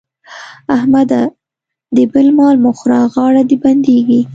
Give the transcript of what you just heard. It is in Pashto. احمده! د بل مال مه خوره غاړه دې بندېږي.